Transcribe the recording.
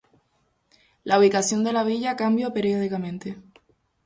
La ubicación de la villa cambio periódicamente.